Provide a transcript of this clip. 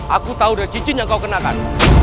aku tahu dari cincin yang kau kenakan